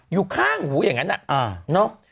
อยู่ข้างหูอย่างนั้น